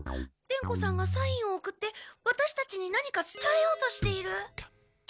伝子さんがサインを送ってワタシたちに何かつたえようとしている。